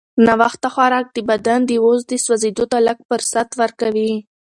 ناوخته خوراک د بدن د وازدې سوځېدو ته لږ فرصت ورکوي.